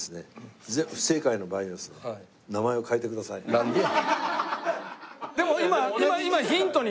なんでや！